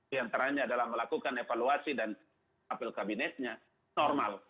di antaranya adalah melakukan evaluasi dan apel kabinetnya normal